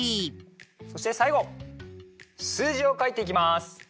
そしてさいごすうじをかいていきます。